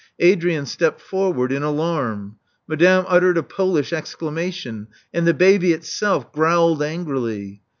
Adrian stepped forward in alarm; Madame uttered a Polish exclamation; and the baby itself growled angrily.